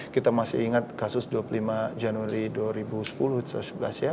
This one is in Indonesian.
kita masih ingat kasus dua puluh lima januari dua ribu sepuluh atau sebelas ya